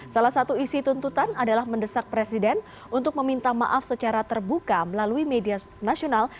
salah satu isi tuntutan adalah mendesak presiden untuk meminta maaf secara terbuka melalui media nasional